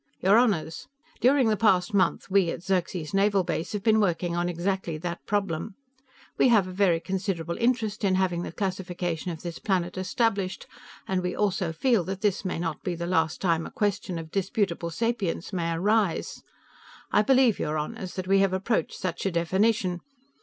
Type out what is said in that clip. "Your Honors, during the past month we at Xerxes Naval Base have been working on exactly that problem. We have a very considerable interest in having the classification of this planet established, and we also feel that this may not be the last time a question of disputable sapience may arise. I believe, your Honors, that we have approached such a definition.